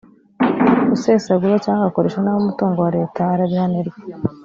usesagura cyangwa agakoresha nabi umutungo wa leta arabihanirwa